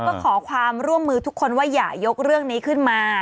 ก็ขอความร่วมมือทุกคนว่าอย่ายกเรื่องนี้ขึ้นมา